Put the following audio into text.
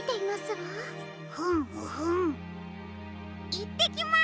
いってきます！